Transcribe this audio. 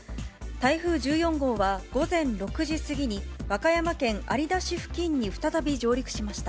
台風１４号は、午前６時過ぎに和歌山県有田市付近に再び上陸しました。